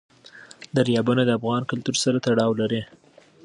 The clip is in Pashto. دریابونه د افغان کلتور سره تړاو لري.